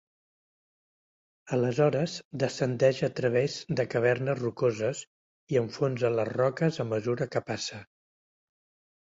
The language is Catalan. Aleshores, descendeix a través de cavernes rocoses i enfonsa les roques a mesura que passa.